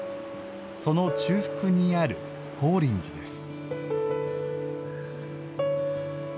その中腹にある法輪寺です。